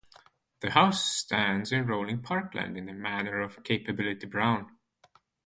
The house stands in rolling parkland in the manner of Capability Brown.